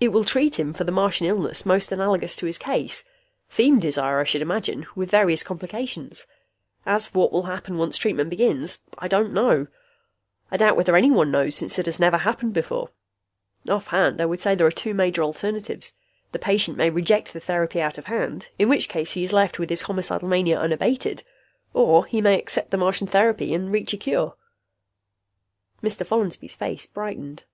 "It will treat him for the Martian illness most analogous to his case. Feem desire, I should imagine, with various complications. As for what will happen once treatment begins, I don't know. I doubt whether anyone knows, since it has never happened before. Offhand, I would say there are two major alternatives: the patient may reject the therapy out of hand, in which case he is left with his homicidal mania unabated. Or he may accept the Martian therapy and reach a cure." Mr. Follansby's face brightened.